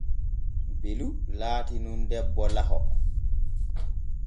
Belu laati nun debbo laho.